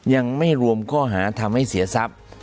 ยังไม่รวมข้อหาทำให้เสียทรัพย์